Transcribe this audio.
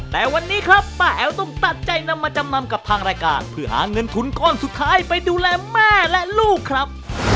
แต่วันนี้ครับป้าแอ๋วต้องตัดใจนำมาจำนำกับทางรายการเพื่อหาเงินทุนก้อนสุดท้ายไปดูแลแม่และลูกครับ